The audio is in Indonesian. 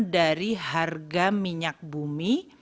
dari harga minyak bumi